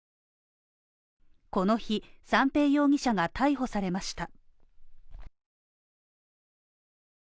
この日、三瓶容疑者が逮捕されました。